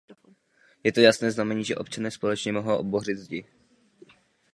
Je to jasné znamení, že občané společně mohou bořit zdi.